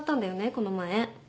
この前。